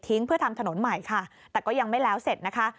เพื่อทำถนนใหม่ค่ะแต่ก็ยังไม่แล้วเสร็จนะคะ